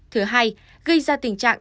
thứ hai gây ra tình trạng